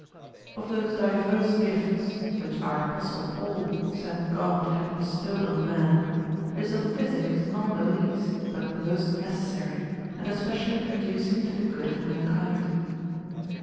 Of those diverse gifts which our apostle Paul saith God hath bestowed on man, this of physic is not the least, but most necessary, and especially conducing to the good of mankind.